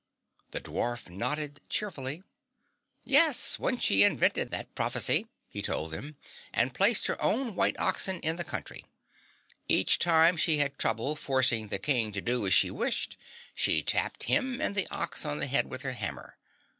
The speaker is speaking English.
The dwarf nodded cheerfully. "Yes, Wunchie invented that prophecy," he told them, "and placed her own white oxen in the country. Each time she had trouble forcing the King to do as she wished, she tapped him and the ox on the head with her hammer.